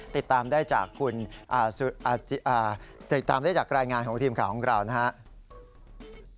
ติดตามได้จากรายงานของทีมข่าวของเรานะครับ